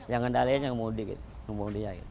yang ngendalian yang gemudi